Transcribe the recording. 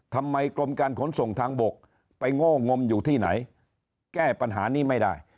กรมการขนส่งทางบกไปโง่งมอยู่ที่ไหนแก้ปัญหานี้ไม่ได้